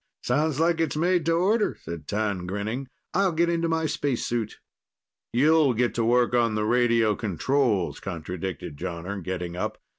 "Sounds like it's made to order," said T'an, grinning. "I'll get into my spacesuit." "You'll get to work on the radio controls," contradicted Jonner, getting up.